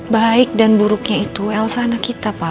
baik dan buruknya itu elsa anak kita pak